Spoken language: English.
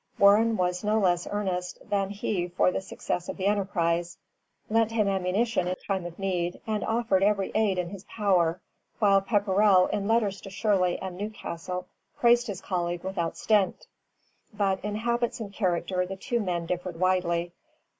Warren was no less earnest than he for the success of the enterprise, lent him ammunition in time of need, and offered every aid in his power, while Pepperrell in letters to Shirley and Newcastle praised his colleague without stint. But in habits and character the two men differed widely.